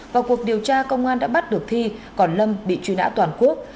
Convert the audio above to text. vào cuộc điều tra công an đã bắt được thi còn lâm bị truy nã toàn quốc